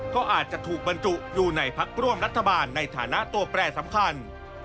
ก็อาจจะถูกบรรจุอยู่ในพักร่วมรัฐบาลในฐานะตัวแปรสำคัญ